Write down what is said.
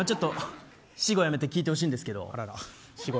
私語やめて聞いてほしいんですけど。